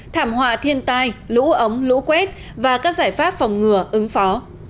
thảm họa thiên tai lũ ống lũ quét và các giải pháp phòng ngừa ứng phó